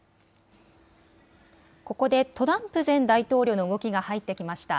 ここでトランプ前大統領の動きが入ってきました。